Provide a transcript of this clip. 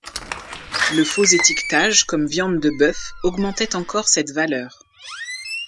Le faux étiquetage comme viande de bœuf augmentait encore cette valeur.